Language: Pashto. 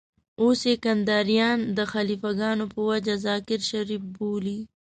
اوس يې کنداريان د خليفه ګانو په وجه ذاکر شريف بولي.